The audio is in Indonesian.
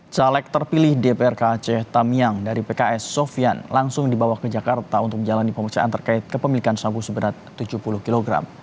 caleg terpilih dpr kaceh tamiang dari pks sofian langsung dibawa ke jakarta untuk menjalani pemeriksaan terkait kepemilikan sabu seberat tujuh puluh kg